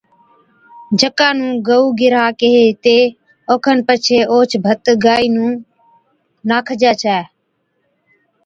جڪا نُون گئو گِرھا ڪيھي ھِتي، اوکن پڇي اوھچ ڀت گائي نُون ناکجَي ڇَي